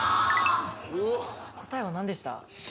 答えは何でした？